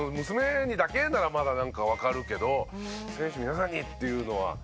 娘にだけならまだなんかわかるけど選手皆さんに！っていうのは。